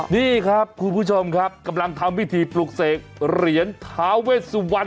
นี่ครับคุณผู้ชมครับกำลังทำพิธีปลุกเสกเหรียญท้าเวสวรรณ